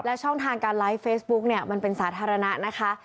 ช่องทางการไลฟ์เฟซบุ๊กเนี่ยมันเป็นสาธารณะนะคะ